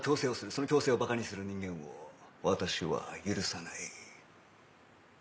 その強制を馬鹿にする人間を私は許さない。